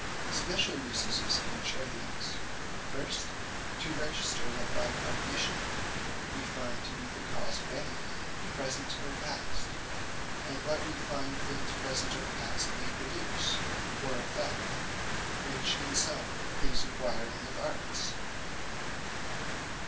Speciall uses of Speech are these; First, to Register, what by cogitation, wee find to be the cause of any thing, present or past; and what we find things present or past may produce, or effect: which in summe, is acquiring of Arts.